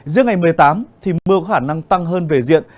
giữa ngày một mươi tám thì mưa có khả năng tăng hơn về diện